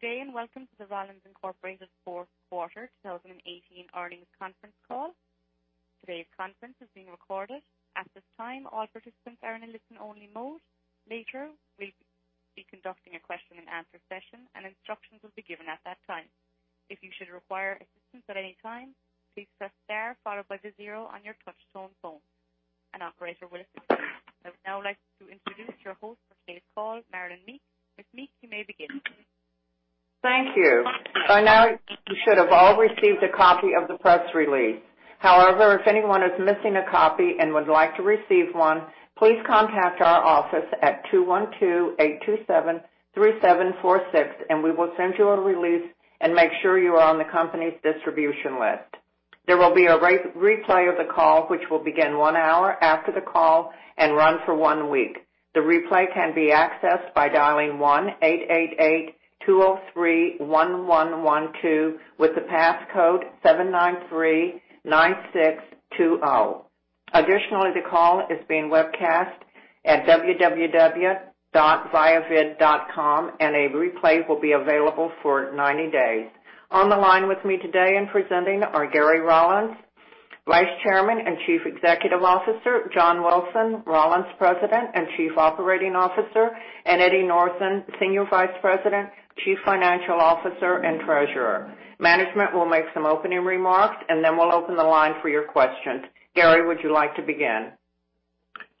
Good day. Welcome to the Rollins, Inc. fourth quarter 2018 earnings conference call. Today's conference is being recorded. At this time, all participants are in listen only mode. Later, we'll be conducting a question and answer session, and instructions will be given at that time. If you should require assistance at any time, please press star followed by the 0 on your touchtone phone. An operator will assist you. I would now like to introduce your host for today's call, Marilyn Meek. Ms. Meek, you may begin. Thank you. By now, you should have all received a copy of the press release. If anyone is missing a copy and would like to receive one, please contact our office at 212-827-3746, and we will send you a release and make sure you are on the company's distribution list. There will be a replay of the call, which will begin one hour after the call and run for one week. The replay can be accessed by dialing 1-888-203-1112 with the passcode 7939620. The call is being webcast at www.viavid.com, and a replay will be available for 90 days. On the line with me today and presenting are Gary Rollins, Vice Chairman and Chief Executive Officer, John Wilson, Rollins President and Chief Operating Officer, and Eddie Northen, Senior Vice President, Chief Financial Officer, and Treasurer. Management will make some opening remarks, and then we'll open the line for your questions. Gary, would you like to begin?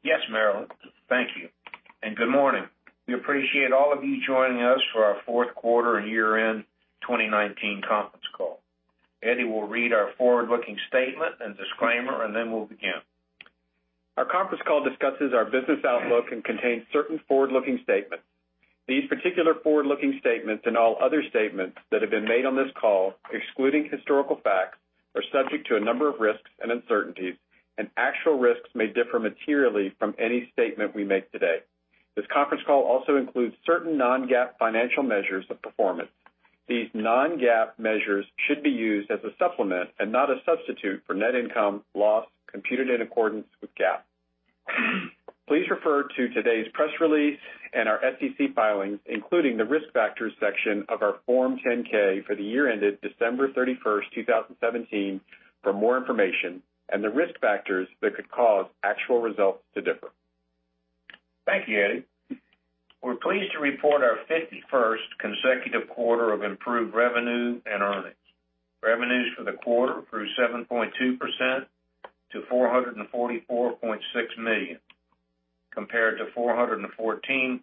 Yes, Marilyn. Thank you, and good morning. We appreciate all of you joining us for our fourth quarter and year-end 2019 conference call. Eddie will read our forward-looking statement and disclaimer, and then we'll begin. Our conference call discusses our business outlook and contains certain forward-looking statements. These particular forward-looking statements, and all other statements that have been made on this call, excluding historical facts, are subject to a number of risks and uncertainties, and actual risks may differ materially from any statement we make today. This conference call also includes certain non-GAAP financial measures of performance. These non-GAAP measures should be used as a supplement and not a substitute for net income/loss computed in accordance with GAAP. Please refer to today's press release and our SEC filings, including the Risk Factors section of our Form 10-K for the year ended December 31st, 2017, for more information and the risk factors that could cause actual results to differ. Thank you, Eddie. We're pleased to report our 51st consecutive quarter of improved revenue and earnings. Revenues for the quarter grew 7.2% to $444.6 million, compared to $414.7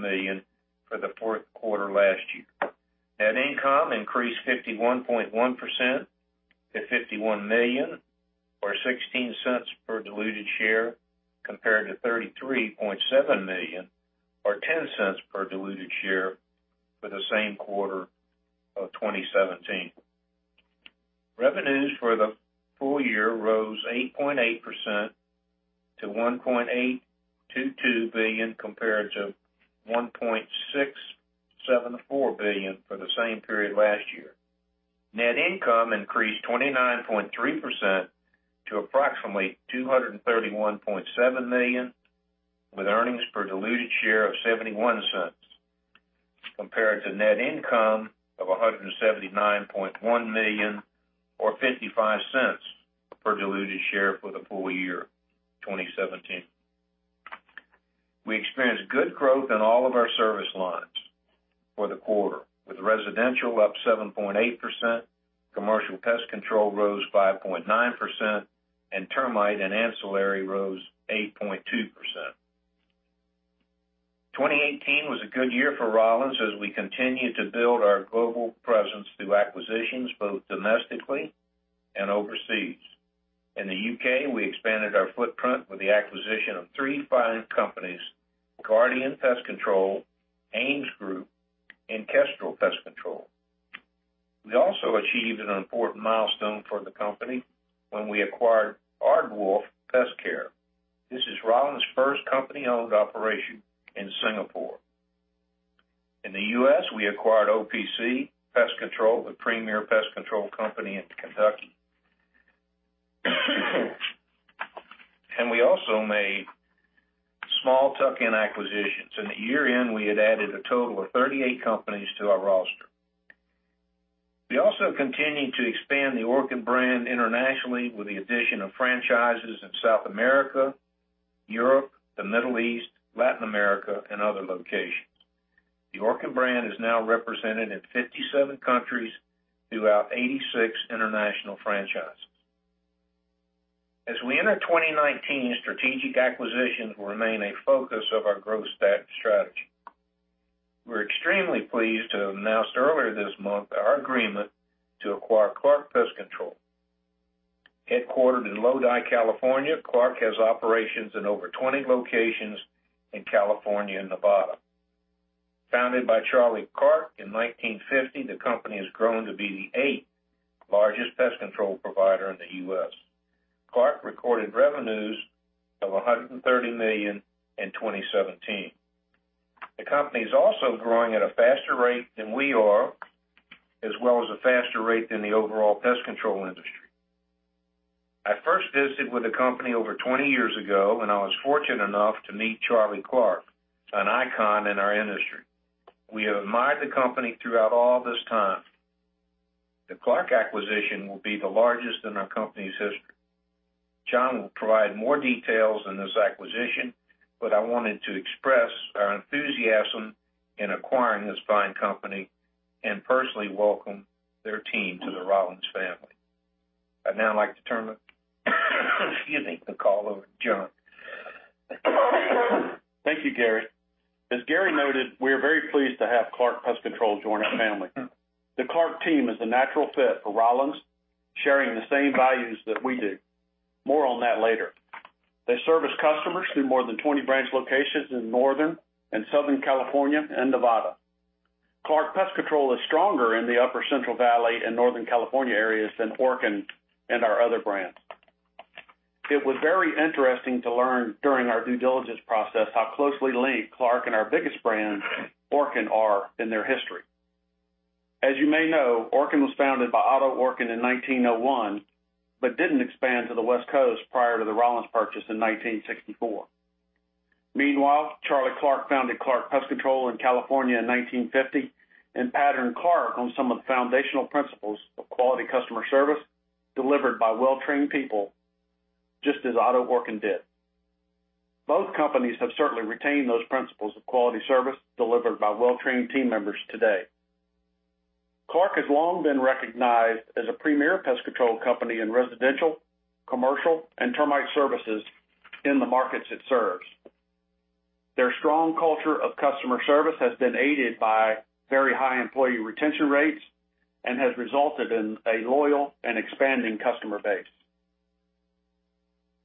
million for the fourth quarter last year. Net income increased 51.1% to $51 million, or $0.16 per diluted share, compared to $33.7 million, or $0.10 per diluted share for the same quarter of 2017. Revenues for the full year rose 8.8% to $1.822 billion, compared to $1.674 billion for the same period last year. Net income increased 29.3% to approximately $231.7 million, with earnings per diluted share of $0.71, compared to net income of $179.1 million or $0.55 per diluted share for the full year 2017. We experienced good growth in all of our service lines for the quarter, with residential up 7.8%, commercial pest control rose 5.9%, and termite and ancillary rose 8.2%. 2018 was a good year for Rollins as we continued to build our global presence through acquisitions, both domestically and overseas. In the U.K., we expanded our footprint with the acquisition of three fine companies, Guardian Pest Control, AMES Group, and Kestrel Pest Control. We also achieved an important milestone for the company when we acquired Aardwolf Pestkare. This is Rollins first company-owned operation in Singapore. In the U.S., we acquired OPC Pest Services, the premier pest control company in Kentucky. We also made small tuck-in acquisitions. In the year-end, we had added a total of 38 companies to our roster. We also continued to expand the Orkin brand internationally with the addition of franchises in South America, Europe, the Middle East, Latin America, and other locations. The Orkin brand is now represented in 57 countries throughout 86 international franchises. As we enter 2019, strategic acquisitions will remain a focus of our growth strategy. We're extremely pleased to have announced earlier this month our agreement to acquire Clark Pest Control. Headquartered in Lodi, California, Clark has operations in over 20 locations in California and Nevada. Founded by Charlie Clark in 1950, the company has grown to be the eighth-largest pest control provider in the U.S. Clark recorded revenues of $130 million in 2017. The company is also growing at a faster rate than we are, as well as a faster rate than the overall pest control industry. First visit with the company over 20 years ago, when I was fortunate enough to meet Charlie Clark, an icon in our industry. We have admired the company throughout all this time. The Clark acquisition will be the largest in our company's history. John will provide more details on this acquisition, but I wanted to express our enthusiasm in acquiring this fine company and personally welcome their team to the Rollins family. I'd now like to turn the call over to John. Thank you, Gary. As Gary noted, we are very pleased to have Clark Pest Control join our family. The Clark team is a natural fit for Rollins, sharing the same values that we do. More on that later. They service customers through more than 20 branch locations in Northern and Southern California and Nevada. Clark Pest Control is stronger in the Upper Central Valley and Northern California areas than Orkin and our other brands. It was very interesting to learn during our due diligence process how closely linked Clark and our biggest brand, Orkin, are in their history. As you may know, Orkin was founded by Otto Orkin in 1901, but didn't expand to the West Coast prior to the Rollins purchase in 1964. Meanwhile, Charlie Clark founded Clark Pest Control in California in 1950 and patterned Clark on some of the foundational principles of quality customer service delivered by well-trained people, just as Otto Orkin did. Both companies have certainly retained those principles of quality service delivered by well-trained team members today. Clark has long been recognized as a premier pest control company in residential, commercial, and termite services in the markets it serves. Their strong culture of customer service has been aided by very high employee retention rates and has resulted in a loyal and expanding customer base.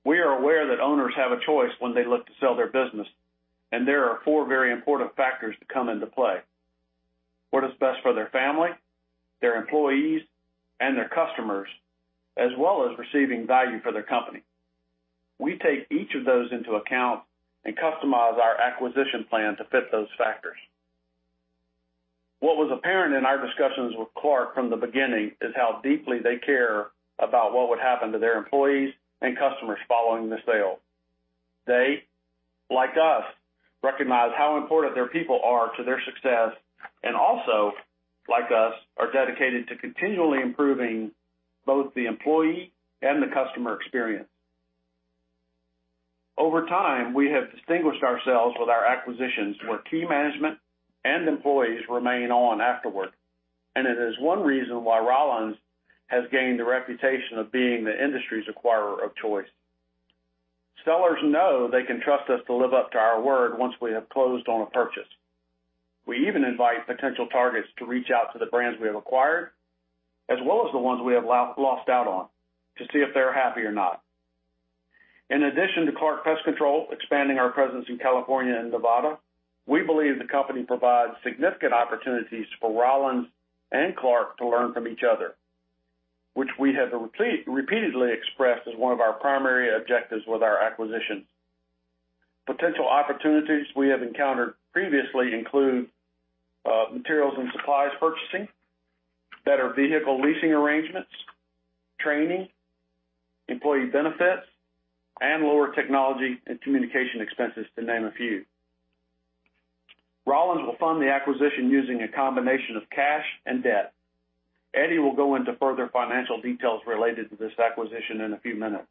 We are aware that owners have a choice when they look to sell their business, and there are four very important factors that come into play: what is best for their family, their employees, and their customers, as well as receiving value for their company. We take each of those into account and customize our acquisition plan to fit those factors. What was apparent in our discussions with Clark from the beginning is how deeply they care about what would happen to their employees and customers following the sale. They, like us, recognize how important their people are to their success and also, like us, are dedicated to continually improving both the employee and the customer experience. Over time, we have distinguished ourselves with our acquisitions where key management and employees remain on afterward, and it is one reason why Rollins has gained a reputation of being the industry's acquirer of choice. Sellers know they can trust us to live up to our word once we have closed on a purchase. We even invite potential targets to reach out to the brands we have acquired, as well as the ones we have lost out on, to see if they're happy or not. In addition to Clark Pest Control expanding our presence in California and Nevada, we believe the company provides significant opportunities for Rollins and Clark to learn from each other, which we have repeatedly expressed as one of our primary objectives with our acquisitions. Potential opportunities we have encountered previously include, materials and supplies purchasing, better vehicle leasing arrangements, training, employee benefits, and lower technology and communication expenses, to name a few. Rollins will fund the acquisition using a combination of cash and debt. Eddie will go into further financial details related to this acquisition in a few minutes.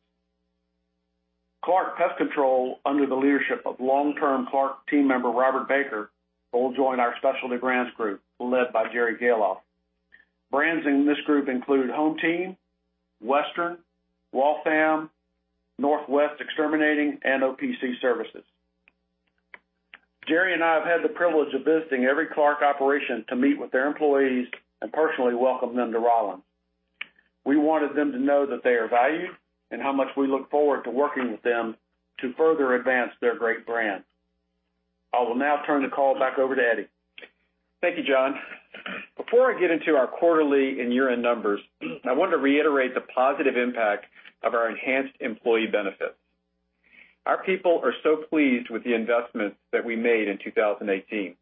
Clark Pest Control, under the leadership of long-term Clark team member Robert Baker, will join our specialty brands group led by Jerry Gahlhoff. Brands in this group include HomeTeam, Western, Waltham, Northwest Exterminating, and OPC Pest Services. Jerry and I have had the privilege of visiting every Clark operation to meet with their employees and personally welcome them to Rollins. We wanted them to know that they are valued and how much we look forward to working with them to further advance their great brand. I will now turn the call back over to Eddie. Thank you, John. Before I get into our quarterly and year-end numbers, I want to reiterate the positive impact of our enhanced employee benefits. Our people are so pleased with the investments that we made in 2018.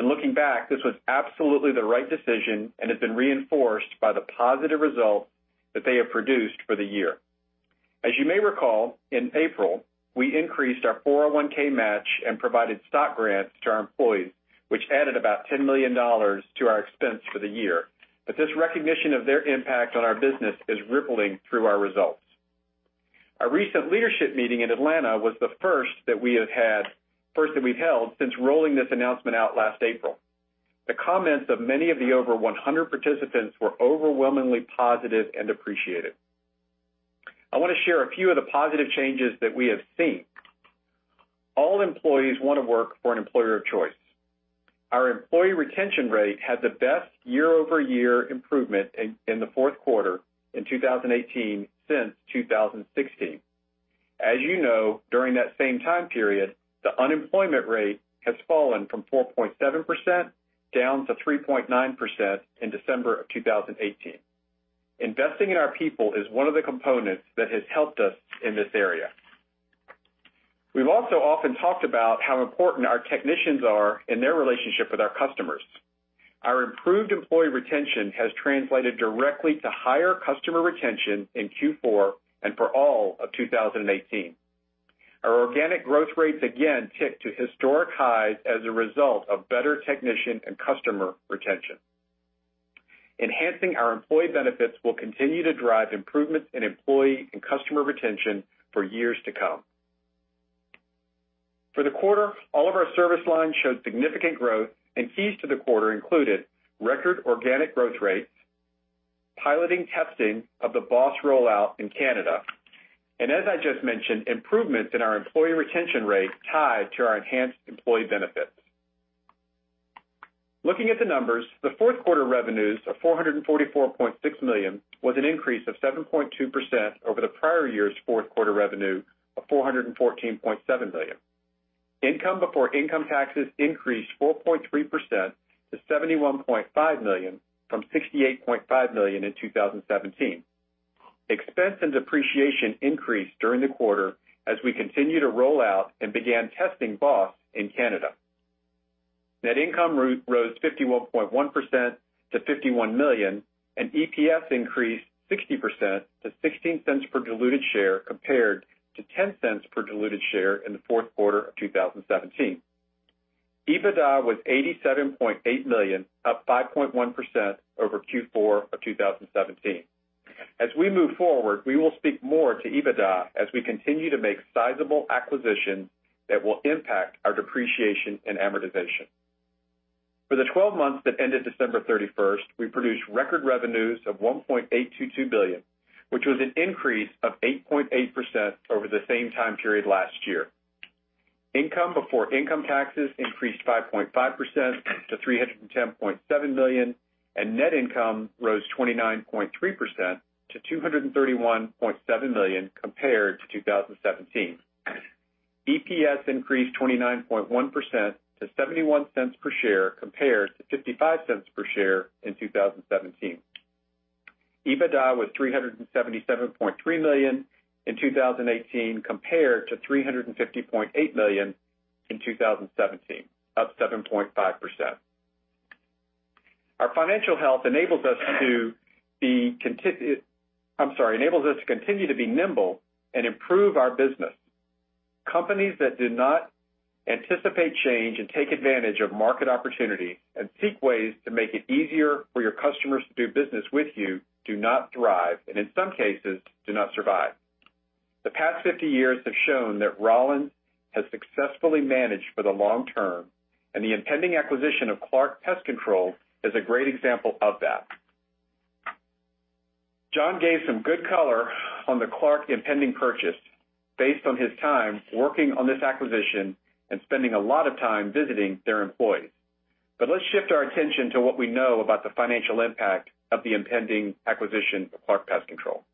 Looking back, this was absolutely the right decision and has been reinforced by the positive results that they have produced for the year. As you may recall, in April, we increased our 401 match and provided stock grants to our employees, which added about $10 million to our expense for the year. This recognition of their impact on our business is rippling through our results. Our recent leadership meeting in Atlanta was the first that we've held since rolling this announcement out last April. The comments of many of the over 100 participants were overwhelmingly positive and appreciated. I want to share a few of the positive changes that we have seen. All employees want to work for an employer of choice. Our employee retention rate had the best year-over-year improvement in the fourth quarter in 2018 since 2016. As you know, during that same time period, the unemployment rate has fallen from 4.7% down to 3.9% in December of 2018. Investing in our people is one of the components that has helped us in this area. We've also often talked about how important our technicians are in their relationship with our customers. Our improved employee retention has translated directly to higher customer retention in Q4 and for all of 2018. Our organic growth rates again ticked to historic highs as a result of better technician and customer retention. Enhancing our employee benefits will continue to drive improvements in employee and customer retention for years to come. For the quarter, all of our service lines showed significant growth. Keys to the quarter included record organic growth rates, piloting testing of the BOSS rollout in Canada, and as I just mentioned, improvements in our employee retention rate tied to our enhanced employee benefits. Looking at the numbers, the fourth quarter revenues of $444.6 million was an increase of 7.2% over the prior year's fourth quarter revenue of $414.7 million. Income before income taxes increased 4.3% to $71.5 million from $68.5 million in 2017. Expense and depreciation increased during the quarter as we continue to roll out and began testing BOSS in Canada. Net income rose 51.1% to $51 million. EPS increased 60% to $0.16 per diluted share, compared to $0.10 per diluted share in the fourth quarter of 2017. EBITDA was $87.8 million, up 5.1% over Q4 of 2017. As we move forward, we will speak more to EBITDA as we continue to make sizable acquisitions that will impact our depreciation and amortization. For the 12 months that ended December 31st, we produced record revenues of $1.822 billion, which was an increase of 8.8% over the same time period last year. Income before income taxes increased 5.5% to $310.7 million. Net income rose 29.3% to $231.7 million compared to 2017. EPS increased 29.1% to $0.71 per share compared to $0.55 per share in 2017. EBITDA was $377.3 million in 2018 compared to $350.8 million in 2017, up 7.5%. Our financial health enables us to continue to be nimble and improve our business. Companies that do not anticipate change. Take advantage of market opportunities. Seek ways to make it easier for your customers to do business with you do not thrive. In some cases, do not survive. The past 50 years have shown that Rollins has successfully managed for the long term. The impending acquisition of Clark Pest Control is a great example of that. John gave some good color on the Clark impending purchase based on his time working on this acquisition and spending a lot of time visiting their employees. Let's shift our attention to what we know about the financial impact of the impending acquisition of Clark Pest Control.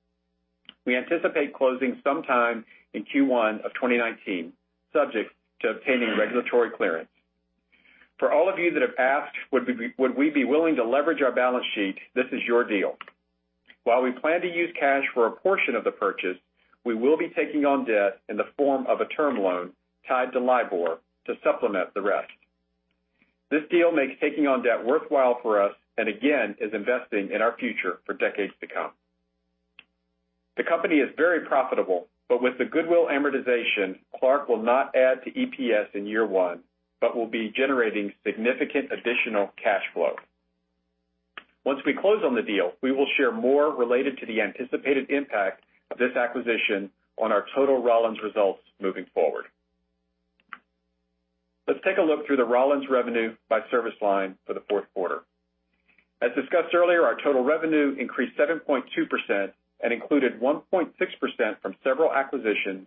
We anticipate closing sometime in Q1 of 2019, subject to obtaining regulatory clearance. For all of you that have asked, would we be willing to leverage our balance sheet, this is your deal. While we plan to use cash for a portion of the purchase, we will be taking on debt in the form of a term loan tied to LIBOR to supplement the rest. This deal makes taking on debt worthwhile for us. Again, is investing in our future for decades to come. The company is very profitable. With the goodwill amortization, Clark will not add to EPS in year one. Will be generating significant additional cash flow. Once we close on the deal, we will share more related to the anticipated impact of this acquisition on our total Rollins results moving forward. Let's take a look through the Rollins revenue by service line for the fourth quarter. As discussed earlier, our total revenue increased 7.2% and included 1.6% from several acquisitions,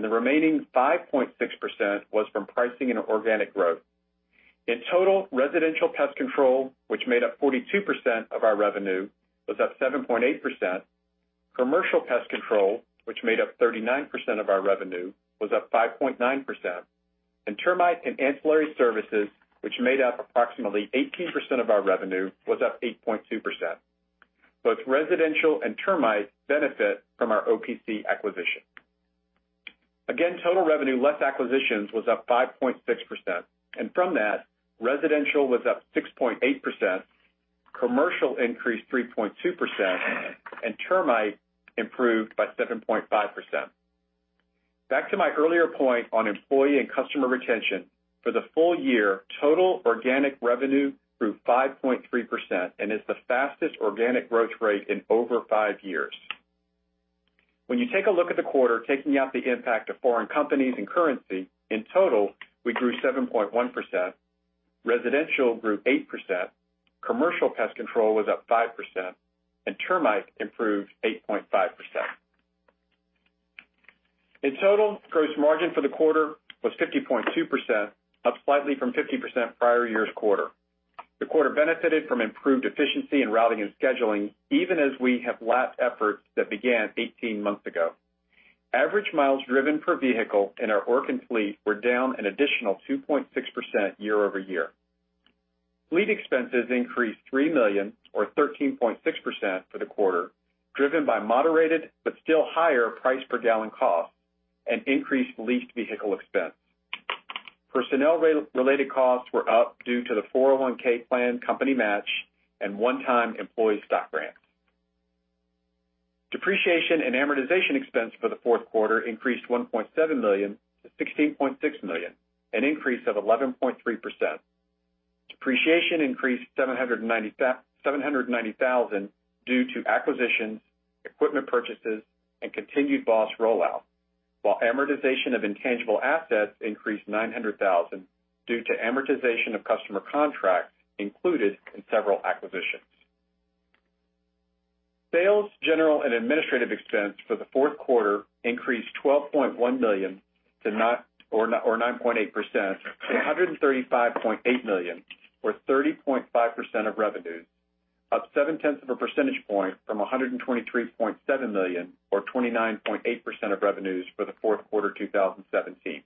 the remaining 5.6% was from pricing and organic growth. In total, residential pest control, which made up 42% of our revenue, was up 7.8%. Commercial pest control, which made up 39% of our revenue, was up 5.9%. Termite and ancillary services, which made up approximately 18% of our revenue, was up 8.2%. Both residential and termite benefit from our OPC acquisition. Again, total revenue less acquisitions was up 5.6%, from that, residential was up 6.8%, commercial increased 3.2%, termite improved by 7.5%. Back to my earlier point on employee and customer retention, for the full year, total organic revenue grew 5.3% and is the fastest organic growth rate in over five years. When you take a look at the quarter, taking out the impact of foreign companies and currency, in total, we grew 7.1%, residential grew 8%, commercial pest control was up 5%, termite improved 8.5%. In total, gross margin for the quarter was 50.2%, up slightly from 50% prior year's quarter. The quarter benefited from improved efficiency in routing and scheduling, even as we have lapped efforts that began 18 months ago. Average miles driven per vehicle in our Orkin fleet were down an additional 2.6% year-over-year. Fleet expenses increased $3 million or 13.6% for the quarter, driven by moderated but still higher price per gallon costs and increased leased vehicle expense. Personnel-related costs were up due to the 401 plan company match and one-time employee stock grants. Depreciation and amortization expense for the fourth quarter increased $1.7 million to $16.6 million, an increase of 11.3%. Depreciation increased $790,000 due to acquisitions, equipment purchases, and continued BOSS rollout. While amortization of intangible assets increased $900,000 due to amortization of customer contracts included in several acquisitions. Sales, general, and administrative expense for the fourth quarter increased $12.1 million or 9.8% to $135.8 million or 30.5% of revenues, up seven-tenths of a percentage point from $123.7 million or 29.8% of revenues for the fourth quarter 2017.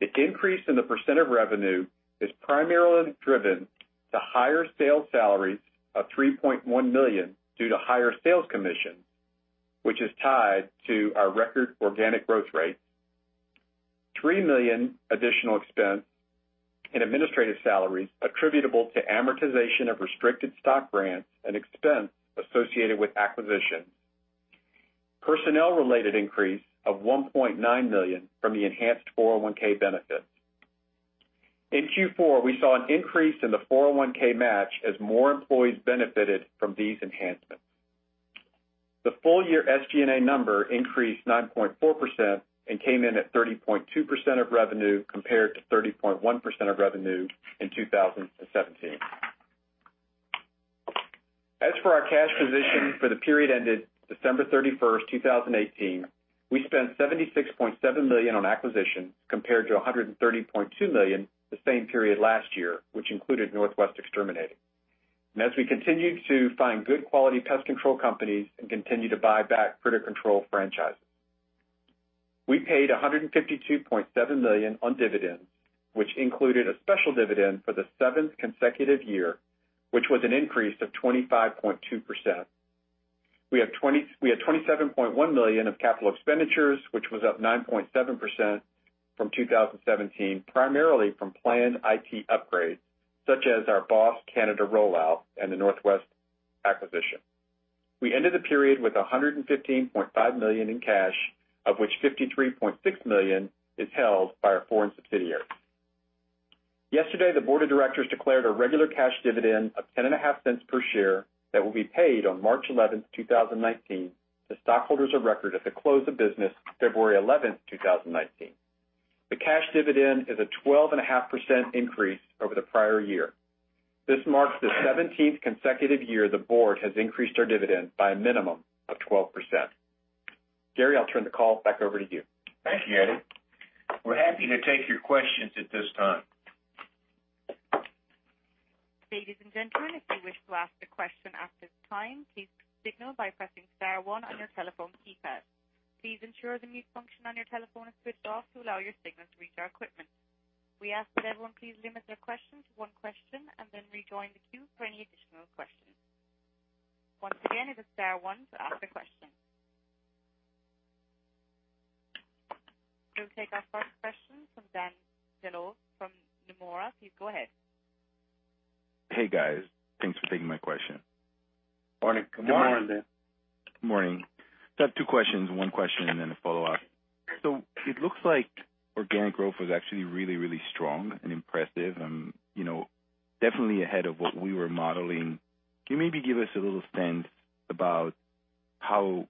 The increase in the % of revenue is primarily driven to higher sales salaries of $3.1 million due to higher sales commissions, which is tied to our record organic growth rate. $3 million additional expense in administrative salaries attributable to amortization of restricted stock grants and expense associated with acquisitions. Personnel-related increase of $1.9 million from the enhanced 401 benefits. In Q4, we saw an increase in the 401 match as more employees benefited from these enhancements. The full-year SG&A number increased 9.4% came in at 30.2% of revenue compared to 30.1% of revenue in 2017. As for our cash position for the period ended December 31st, 2018, we spent $76.7 million on acquisitions compared to $130.2 million the same period last year, which included Northwest Exterminating, as we continue to find good quality pest control companies and continue to buy back Critter Control franchises. We paid $152.7 million on dividends, which included a special dividend for the seventh consecutive year, which was an increase of 25.2%. We had $27.1 million of capital expenditures, which was up 9.7% from 2017, primarily from planned IT upgrades, such as our BOSS Canada rollout and the Northwest acquisition. We ended the period with $115.5 million in cash, of which $53.6 million is held by our foreign subsidiary. Yesterday, the board of directors declared a regular cash dividend of ten and a half cents per share that will be paid on March 11th, 2019, to stockholders of record at the close of business February 11th, 2019. The cash dividend is a 12.5% increase over the prior year. This marks the 17th consecutive year the board has increased our dividend by a minimum of 12%. Gary, I'll turn the call back over to you. Thank you, Eddie. We're happy to take your questions at this time. Ladies and gentlemen, if you wish to ask a question at this time, please signal by pressing star one on your telephone keypad. Please ensure the mute function on your telephone is switched off to allow your signal to reach our equipment. We ask that everyone please limit their question to one question. Then rejoin the queue for any additional questions. Once again, it is star one to ask a question. We'll take our first question from Dan Dolev from Nomura. Please go ahead. Hey, guys. Thanks for taking my question. Morning. Good morning. Good morning, Dan. Good morning. I have two questions, one question, and then a follow-up. It looks like organic growth was actually really, really strong and impressive and definitely ahead of what we were modeling. Can you maybe give us a little sense about how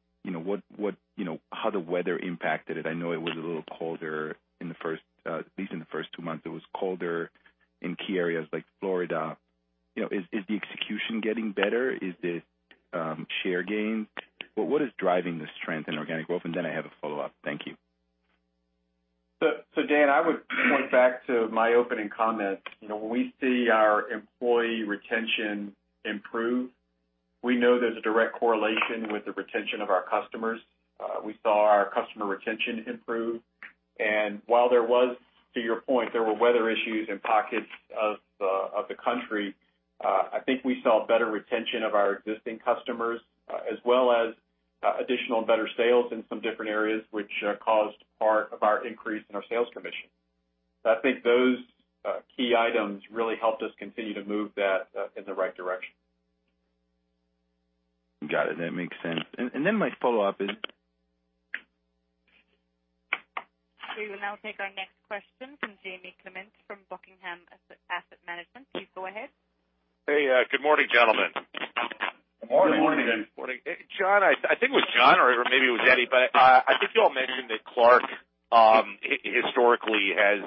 the weather impacted it? I know it was a little colder at least in the first two months, it was colder in key areas like Florida. Is the execution getting better? Is it share gain? What is driving the strength in organic growth? I have a follow-up. Thank you. Dan, I would point back to my opening comments. When we see our employee retention improve, we know there's a direct correlation with the retention of our customers. We saw our customer retention improve, and while there was, to your point, there were weather issues in pockets of the country, I think we saw better retention of our existing customers, as well as additional and better sales in some different areas, which caused part of our increase in our sales commission. I think those key items really helped us continue to move that in the right direction. Got it. That makes sense. Then my follow-up is We will now take our next question from Jamie Clement from Buckingham Research Group. Please go ahead. Hey. Good morning, gentlemen. Good morning. Good morning. Good morning. John, I think it was John, or maybe it was Eddie, but I think you all mentioned that Clark, historically, has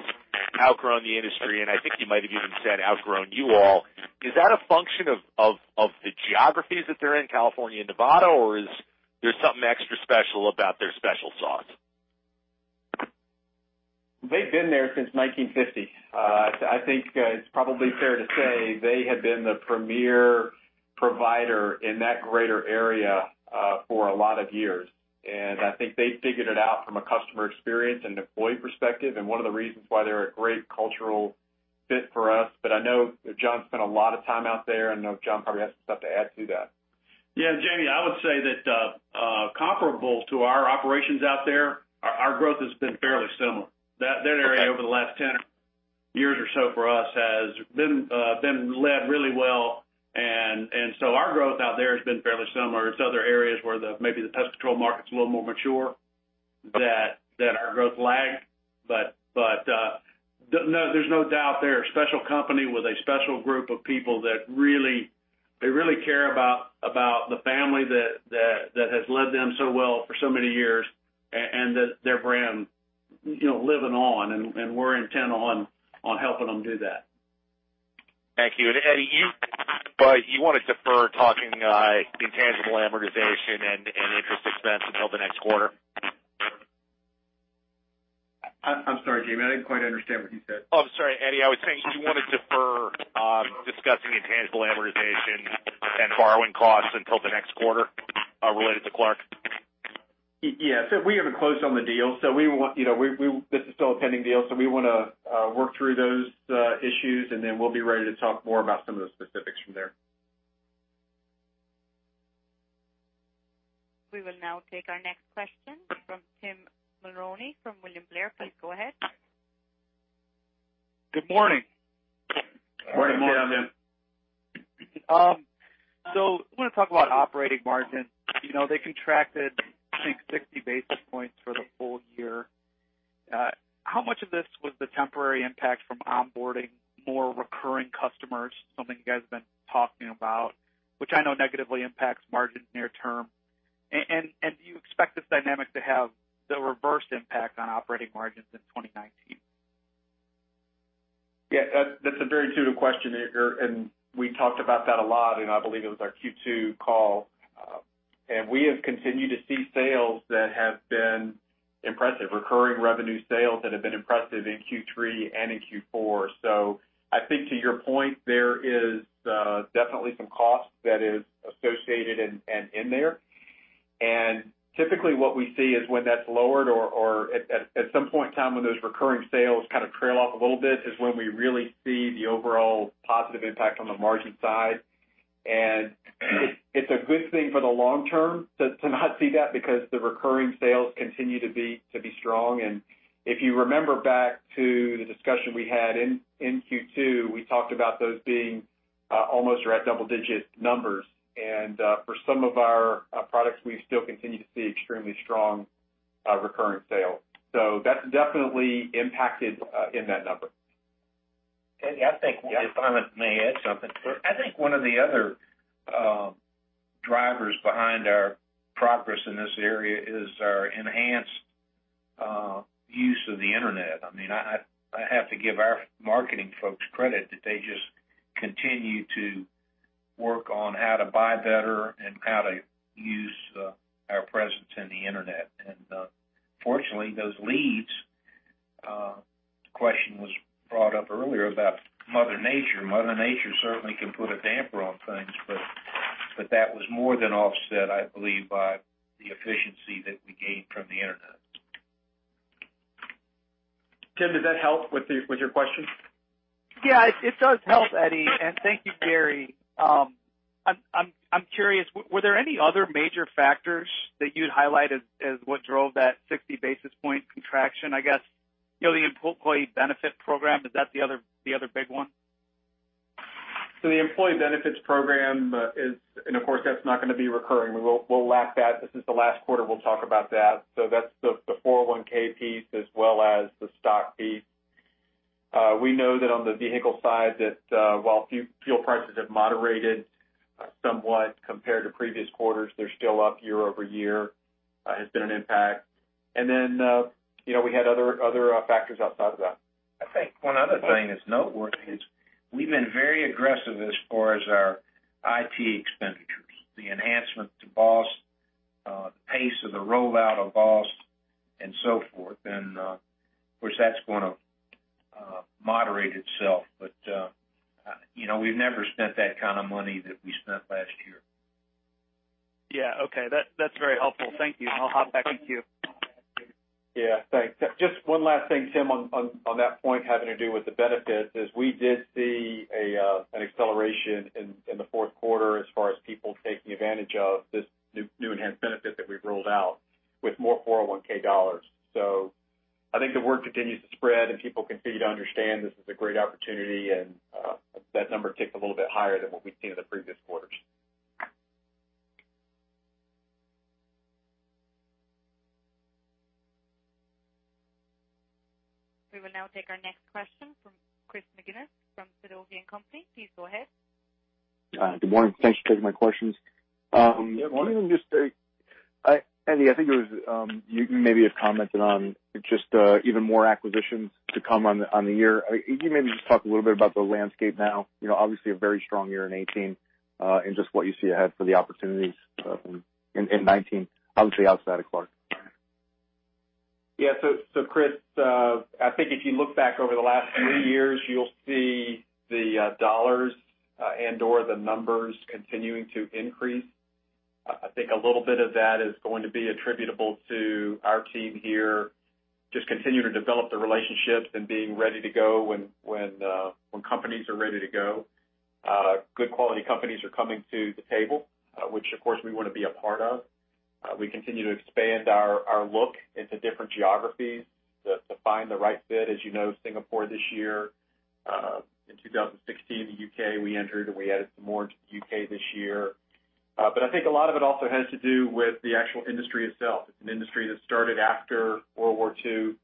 outgrown the industry, and I think you might have even said outgrown you all. Is that a function of the geographies that they're in, California and Nevada, or is there something extra special about their special sauce? They've been there since 1950. I think it's probably fair to say they have been the premier provider in that greater area for a lot of years. I think they figured it out from a customer experience and employee perspective, and one of the reasons why they're a great cultural fit for us. I know that John spent a lot of time out there, and I know John probably has some stuff to add to that. Yeah, Jamie, I would say that comparable to our operations out there, our growth has been fairly similar. Okay. That area over the last 10 years or so for us has been led really well, and so our growth out there has been fairly similar. It's other areas where maybe the pest control market's a little more mature, that our growth lagged. No, there's no doubt they're a special company with a special group of people that really care about the family that has led them so well for so many years and their brand living on, and we're intent on helping them do that. Thank you. Eddie, you want to defer talking the intangible amortization and interest expense until the next quarter? I'm sorry, Jamie, I didn't quite understand what you said. Oh, I'm sorry, Eddie. I was saying, do you want to defer discussing intangible amortization and borrowing costs until the next quarter? Related to Clark. Yes. We haven't closed on the deal, so this is still a pending deal, so we want to work through those issues, and then we'll be ready to talk more about some of the specifics from there. We will now take our next question from Tim Mulrooney, from William Blair. Please go ahead. Good morning. Morning, Tim. Morning. I want to talk about operating margins. They contracted, I think, 60 basis points for the full year. How much of this was the temporary impact from onboarding more recurring customers, something you guys have been talking about, which I know negatively impacts margins near term. Do you expect this dynamic to have the reverse impact on operating margins in 2019? Yeah, that's a very intuitive question. We talked about that a lot in, I believe it was our Q2 call. We have continued to see sales that have been impressive, recurring revenue sales that have been impressive in Q3 and in Q4. I think to your point, there is definitely some cost that is associated and in there. Typically, what we see is when that's lowered or at some point in time when those recurring sales kind of trail off a little bit, is when we really see the overall positive impact on the margin side. It's a good thing for the long term to not see that because the recurring sales continue to be strong. If you remember back to the discussion we had in Q2, we talked about those being almost or at double-digit numbers. For some of our products, we still continue to see extremely strong recurring sales. That's definitely impacted in that number. Eddie, I think, if I may add something. Sure. I think one of the other drivers behind our progress in this area is our enhanced use of the internet. I have to give our marketing folks credit that they just continue to work on how to buy better and how to use our presence in the internet. Fortunately, those leads, the question was brought up earlier about Mother Nature. Mother Nature certainly can put a damper on things, but that was more than offset, I believe, by the efficiency that we gained from the internet. Tim, did that help with your question? Yeah, it does help, Eddie. Thank you, Gary. I'm curious, were there any other major factors that you'd highlight as what drove that 60 basis point contraction, I guess? The employee benefit program, is that the other big one? Of course, that's not going to be recurring. We'll lap that. This is the last quarter we'll talk about that. That's the 401(k) piece as well as the stock piece. We know that on the vehicle side that while fuel prices have moderated somewhat compared to previous quarters, they're still up year-over-year. It's been an impact. We had other factors outside of that. I think one other thing that's noteworthy is we've been very aggressive as far as our IT expenditures, the enhancement to BOSS, the pace of the rollout of BOSS, and so forth. Of course, that's going to moderate itself. We've never spent that kind of money that we spent last year. Yeah. Okay. That's very helpful. Thank you. I'll hop back in queue. Yeah. Thanks. Just one last thing, Tim, on that point having to do with the benefits, is we did see an acceleration in the fourth quarter as far as people taking advantage of this new enhanced benefit that we've rolled out with more 401(k) dollars. I think the word continues to spread and people continue to understand this is a great opportunity, and that number ticked a little bit higher than what we've seen in the previous quarters. We will now take our next question from Christopher McGinnis from Sidoti & Company. Please go ahead. Good morning. Thanks for taking my questions. Good morning. Eddie, I think you maybe had commented on just even more acquisitions to come on the year. Can you maybe just talk a little bit about the landscape now? Obviously, a very strong year in 2018, and just what you see ahead for the opportunities in 2019, obviously outside of Clark. Yeah. Chris, I think if you look back over the last three years, you'll see the dollars and/or the numbers continuing to increase. I think a little bit of that is going to be attributable to our team here just continuing to develop the relationships and being ready to go when companies are ready to go. Good quality companies are coming to the table, which of course we want to be a part of. We continue to expand our look into different geographies to find the right fit. As you know, Singapore this year. In 2016, the U.K., we entered, and we added some more into the U.K. this year. I think a lot of it also has to do with the actual industry itself. It's an industry that started after World War II.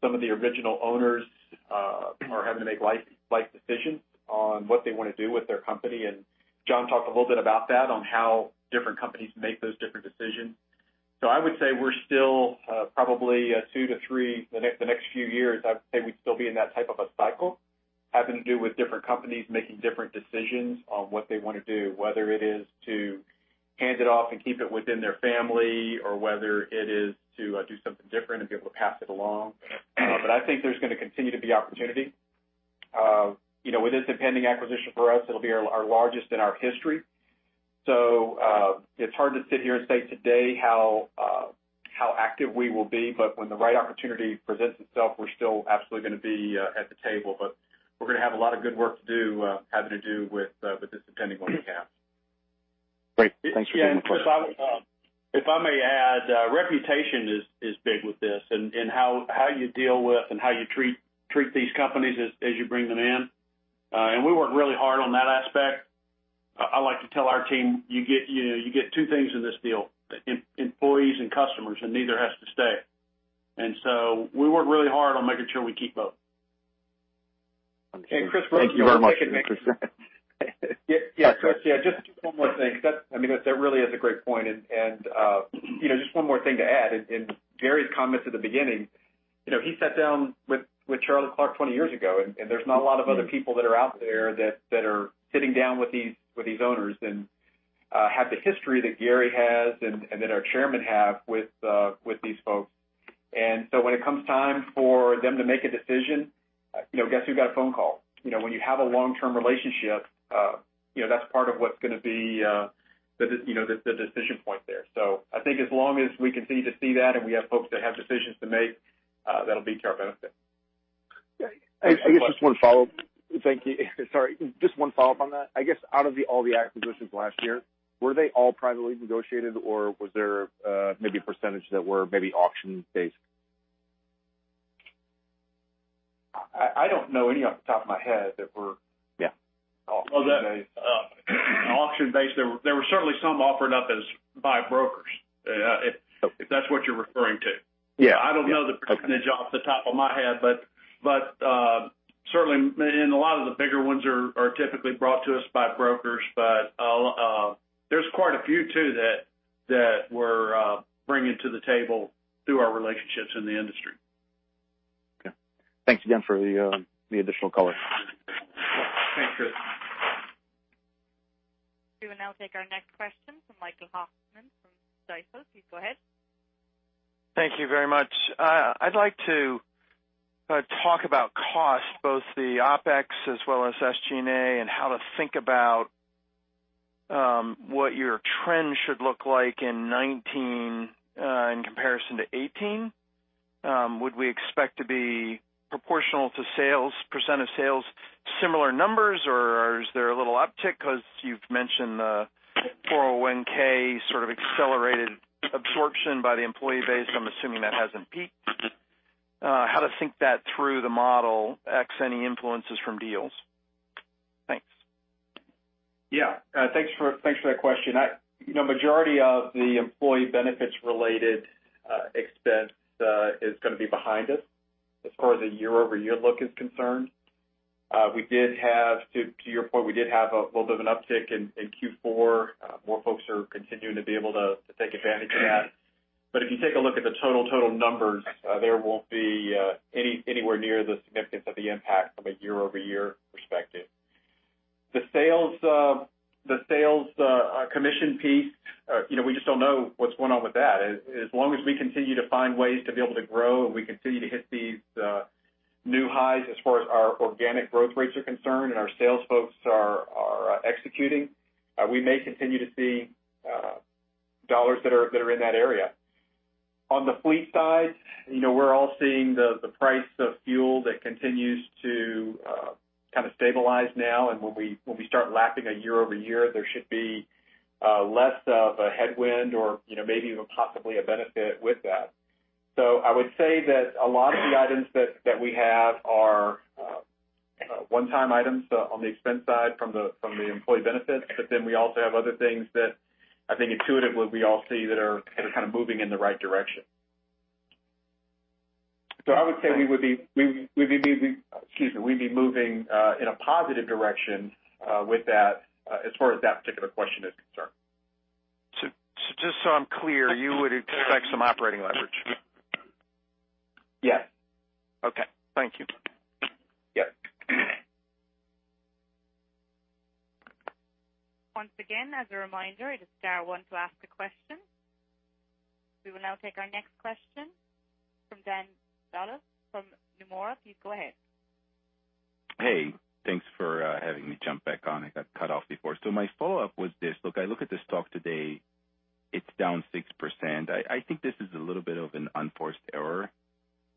Some of the original owners are having to make life decisions on what they want to do with their company, John talked a little bit about that, on how different companies make those different decisions. I would say we're still probably two to three The next few years, I would say we'd still be in that type of a cycle, having to do with different companies making different decisions on what they want to do, whether it is to hand it off and keep it within their family, or whether it is to do something different and be able to pass it along. I think there's going to continue to be opportunity. With this impending acquisition for us, it'll be our largest in our history, it's hard to sit here and say today how active we will be. When the right opportunity presents itself, we're still absolutely going to be at the table. We're going to have a lot of good work to do, having to do with this impending one we have. Great. Thanks very much. Yeah, Chris, if I may add, reputation is big with this, and how you deal with and how you treat these companies as you bring them in. We work really hard on that aspect. I like to tell our team, you get two things in this deal, employees and customers, and neither has to stay. We work really hard on making sure we keep both. Understood. Thank you very much. Chris, real quick. Chris, just one more thing, because that really is a great point, and just one more thing to add. In Gary's comments at the beginning, he sat down with Charlie Clark 20 years ago, there's not a lot of other people that are out there that are sitting down with these owners and have the history that Gary has and that our chairman have with these folks. When it comes time for them to make a decision, guess who got a phone call? When you have a long-term relationship, that's part of what's going to be the decision point there. I think as long as we continue to see that and we have folks that have decisions to make, that'll be to our benefit. I guess just one follow-up. Thank you. Sorry, just one follow-up on that. I guess out of all the acquisitions last year, were they all privately negotiated, or was there maybe a percentage that were maybe auction based? I don't know any off the top of my head. Yeah. Auction based, there were certainly some offered up as by brokers. If that's what you're referring to. Yeah. I don't know the percentage off the top of my head, but certainly and a lot of the bigger ones are typically brought to us by brokers, but there's quite a few too that we're bringing to the table through our relationships in the industry. Okay. Thanks again for the additional color. Thanks, Chris. We will now take our next question from Michael Hoffman from Stifel. Please go ahead. Thank you very much. I'd like to talk about cost, both the OpEx as well as SG&A, and how to think about what your trend should look like in 2019 in comparison to 2018. Would we expect to be proportional to sales, percent of sales, similar numbers, or is there a little uptick because you've mentioned the 401 sort of accelerated absorption by the employee base? I'm assuming that hasn't peaked. How to think that through the model, X any influences from deals. Thanks. Yeah. Thanks for that question. Majority of the employee benefits related expense is going to be behind us as far as a year-over-year look is concerned. To your point, we did have a little bit of an uptick in Q4. More folks are continuing to be able to take advantage of that. If you take a look at the total numbers, there won't be anywhere near the significance of the impact from a year-over-year perspective. The sales commission piece, we just don't know what's going on with that. As long as we continue to find ways to be able to grow and we continue to hit these new highs as far as our organic growth rates are concerned and our sales folks are executing, we may continue to see dollars that are in that area. On the fleet side, we're all seeing the price of fuel that continues to kind of stabilize now, and when we start lapping a year-over-year, there should be less of a headwind or maybe even possibly a benefit with that. I would say that a lot of the items that we have are one-time items on the expense side from the employee benefits, then we also have other things that I think intuitively we all see that are kind of moving in the right direction. I would say we would be moving in a positive direction with that as far as that particular question is concerned. Just so I'm clear, you would expect some operating leverage? Yes. Okay. Thank you. Yes. Once again, as a reminder, it is star one to ask a question. We will now take our next question from Dan Dolev from Nomura. Please go ahead. Hey. Thanks for having me jump back on. I got cut off before. My follow-up was this. Look, I look at the stock today, it's down 6%. I think this is a little bit of an unforced error.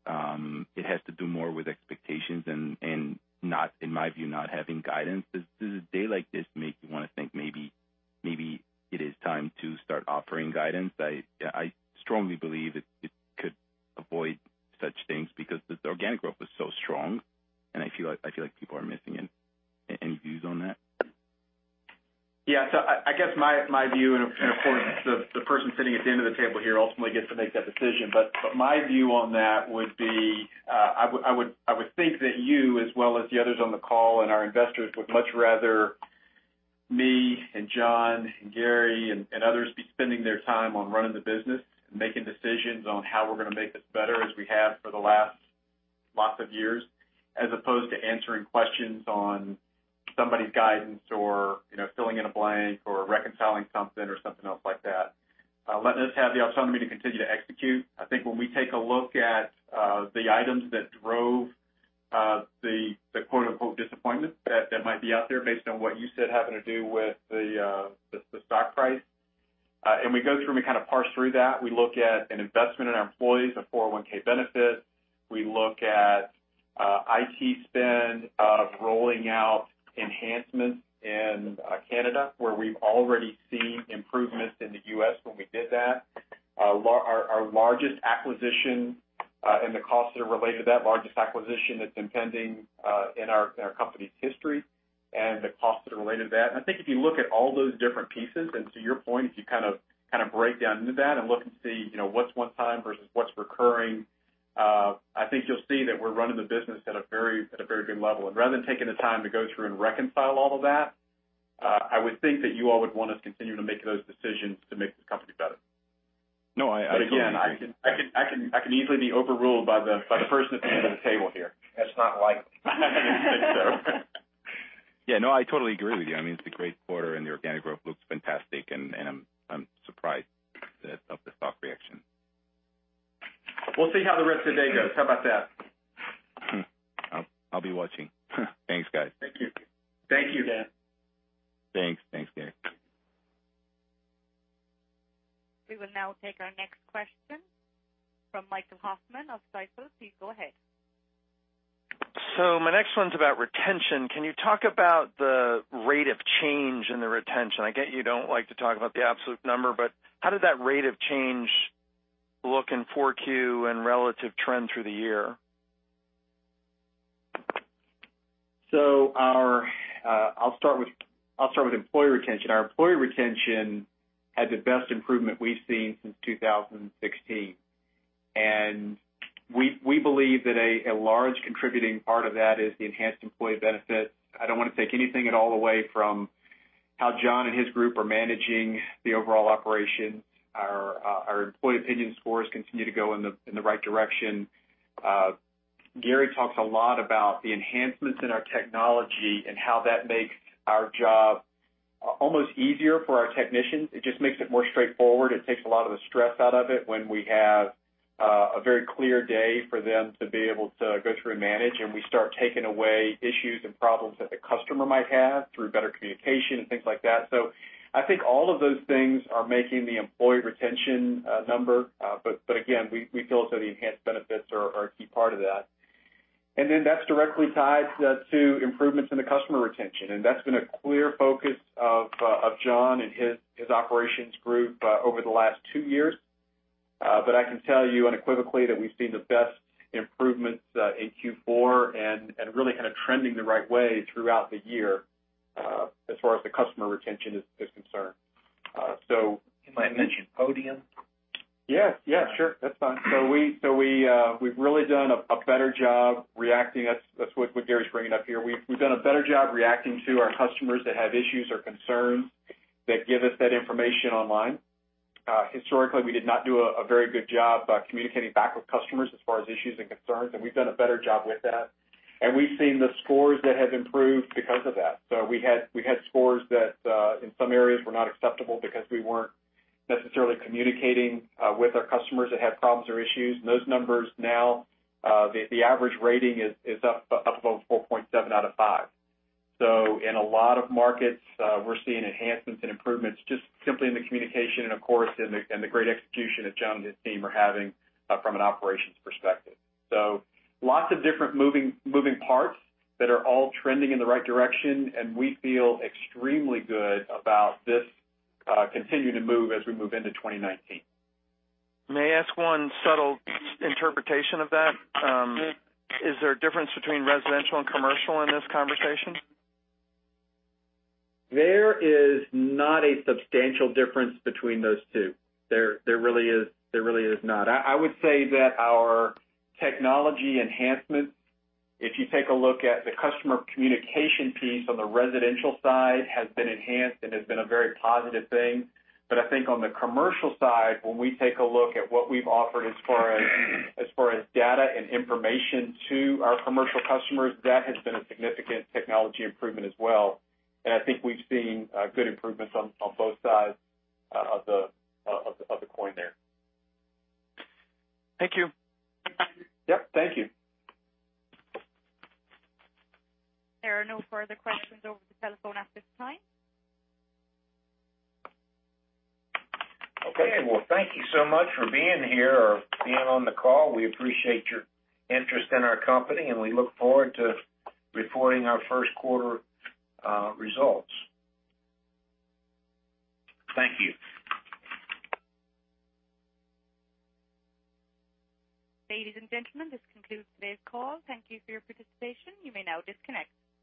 It has to do more with expectations and, in my view, not having guidance. Does a day like this make you want to think maybe it is time to start offering guidance? I strongly believe it could avoid such things because the organic growth was so strong, and I feel like people are missing it. Any views on that? Yeah. I guess my view, and of course, the person sitting at the end of the table here ultimately gets to make that decision, but my view on that would be, I would think that you, as well as the others on the call and our investors, would much rather me and John and Gary and others be spending their time on running the business and making decisions on how we're going to make this better as we have for the last lots of years, as opposed to answering questions on somebody's guidance or filling in a blank or reconciling something or something else like that. Letting us have the autonomy to continue to execute. I think when we take a look at the items that drove the "disappointment" that might be out there based on what you said having to do with the stock price, and we go through and we kind of parse through that. We look at an investment in our employees, a 401 benefit. We look at IT spend of rolling out enhancements in Canada, where we've already seen improvements in the U.S. when we did that. Our largest acquisition and the costs that are related to that largest acquisition that's been pending in our company's history, and the costs that are related to that. I think if you look at all those different pieces, and to your point, if you kind of break down into that and look and see what's one-time versus what's recurring, I think you'll see that we're running the business at a very good level. Rather than taking the time to go through and reconcile all of that, I would think that you all would want us continue to make those decisions to make this company better. No, I totally agree. Again, I can easily be overruled by the person at the end of the table here. That's not likely. Said so. Yeah. I totally agree with you. It's a great quarter, and the organic growth looks fantastic, and I'm surprised of the stock reaction. We'll see how the rest of the day goes. How about that? I'll be watching. Thanks, guys. Thank you. Thank you, Dan. Thanks. Thanks, Gary. We will now take our next question from Michael Hoffman of Stifel. Please go ahead. My next one's about retention. Can you talk about the rate of change in the retention? I get you don't like to talk about the absolute number, but how did that rate of change look in Q4 and relative trend through the year? I'll start with employee retention. Our employee retention had the best improvement we've seen since 2016, we believe that a large contributing part of that is the enhanced employee benefit. I don't want to take anything at all away from how John and his group are managing the overall operation. Our employee opinion scores continue to go in the right direction. Gary talks a lot about the enhancements in our technology and how that makes our job almost easier for our technicians. It just makes it more straightforward. It takes a lot of the stress out of it when we have a very clear day for them to be able to go through and manage, we start taking away issues and problems that the customer might have through better communication and things like that. I think all of those things are making the employee retention number. Again, we feel as though the enhanced benefits are a key part of that. That's directly tied to improvements in the customer retention, and that's been a clear focus of John and his operations group over the last two years. I can tell you unequivocally that we've seen the best improvements in Q4 and really kind of trending the right way throughout the year as far as the customer retention is concerned. Can I mention Podium? Yeah. Sure. That's fine. We've really done a better job reacting. That's what Gary's bringing up here. We've done a better job reacting to our customers that have issues or concerns that give us that information online. Historically, we did not do a very good job communicating back with customers as far as issues and concerns, and we've done a better job with that. We've seen the scores that have improved because of that. We had scores that in some areas were not acceptable because we weren't necessarily communicating with our customers that had problems or issues. Those numbers now, the average rating is up above 4.7 out of five. In a lot of markets, we're seeing enhancements and improvements just simply in the communication and of course, the great execution that John and his team are having from an operations perspective. Lots of different moving parts that are all trending in the right direction, and we feel extremely good about this continuing to move as we move into 2019. May I ask one subtle interpretation of that? Is there a difference between residential and commercial in this conversation? There is not a substantial difference between those two. There really is not. I would say that our technology enhancements, if you take a look at the customer communication piece on the residential side, has been enhanced and has been a very positive thing. I think on the commercial side, when we take a look at what we've offered as far as data and information to our commercial customers, that has been a significant technology improvement as well, and I think we've seen good improvements on both sides of the coin there. Thank you. Yep. Thank you. There are no further questions over the telephone at this time. Okay. Well, thank you so much for being here or being on the call. We appreciate your interest in our company, and we look forward to reporting our first quarter results. Thank you. Ladies and gentlemen, this concludes today's call. Thank you for your participation. You may now disconnect.